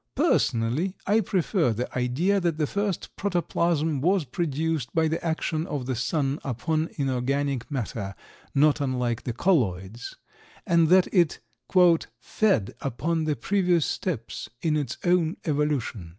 Personally, I prefer the idea that the first protoplasm was produced by the action of the sun upon inorganic matter not unlike the colloids, and that it "fed upon the previous steps in its own evolution."